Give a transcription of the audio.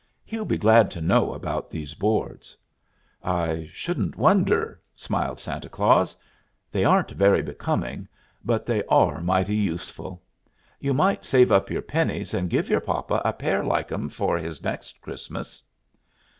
He'll be glad to know about these boards." "I shouldn't wonder," smiled Santa Claus. "They aren't very becoming, but they are mighty useful. You might save up your pennies and give your papa a pair like 'em for his next Christmas."